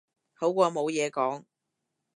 好過冇嘢講